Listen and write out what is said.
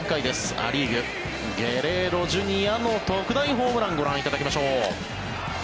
ア・リーグ、ゲレーロＪｒ．の特大ホームランをご覧いただきましょう。